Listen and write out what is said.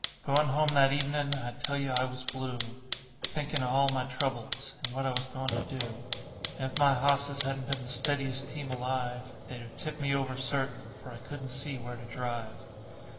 Goin' home that evenin' I tell you I was blue, Thinkin' of all my troubles, and what I was goin' to do; And if my hosses hadn't been the steadiest team alive, They'd 've tipped me over, certain, for I couldn't see where to drive.